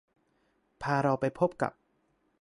พาเราไปพบกับ